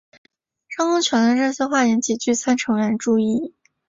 张公权的这些话引起聚餐成员的注意。